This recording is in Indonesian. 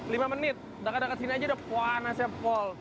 lima menit dekat dekat sini aja udah panasnya pol